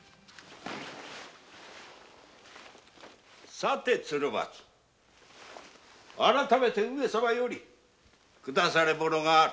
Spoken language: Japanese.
さて鶴松改めて上様より下され物がある。